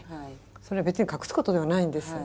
それは別に隠すことではないんです。